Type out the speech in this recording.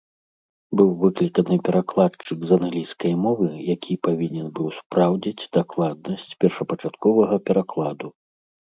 Быў выкліканы перакладчык з англійскай мовы, які павінен быў спраўдзіць дакладнасць першапачатковага перакладу.